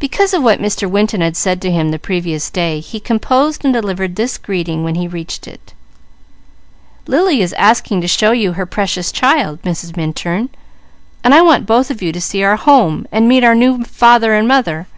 Because of what Mr. Winton had said to him the previous day, he composed and delivered this greeting when he reached it: "Lily is asking to show you her Precious Child, Mrs. Minturn, and I want both of you to see our home, and meet our new father and mother.